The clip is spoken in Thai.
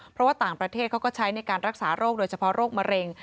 เพราะว่าต่างประเทศเขาก็ใช้ในการรักษาโรคโดยเฉพาะโรคมะเร็ง